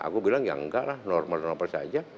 aku bilang ya enggak lah normal normal saja